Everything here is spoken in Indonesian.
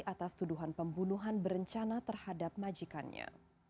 atas tuduhan pembunuhan berencana terhadap majikannya